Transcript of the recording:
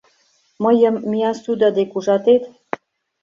— Мыйым Миасуда дек ужатет.